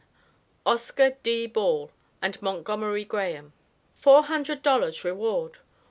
OSCAR D. BALL, AND MONTGOMERY GRAHAM. FOUR HUNDRED DOLLARS REWARD.